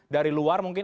dari luar mungkin